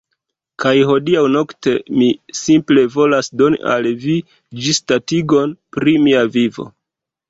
Kaj hodiaŭ nokte mi simple volas doni al vi, ĝisdatigon pri mia vivo